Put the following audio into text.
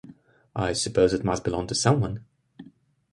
I suppose it must belong to someone.